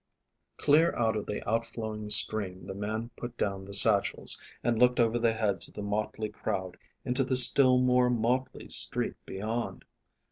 Clear of the out flowing stream the man put down the satchels, and looked over the heads of the motley crowd into the still more motley street beyond.